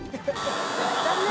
残念。